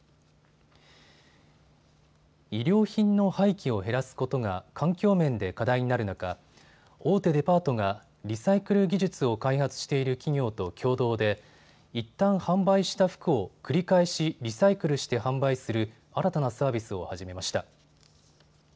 衣料品の廃棄を減らすことが環境面で課題になる中、大手デパートがリサイクル技術を開発している企業と共同でいったん販売した服を繰り返しリサイクルして販売する新たなサービスを始めました。